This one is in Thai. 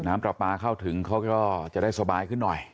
น้ำปลาปลาเข้าถึงเขาก็จะได้สบายขึ้นหน่อย